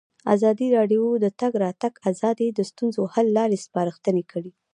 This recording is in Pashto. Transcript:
ازادي راډیو د د تګ راتګ ازادي د ستونزو حل لارې سپارښتنې کړي.